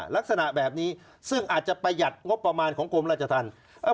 ลักษณะแบบนี้ซึ่งอาจจะประหยัดงบประมาณของกรมราชธรรม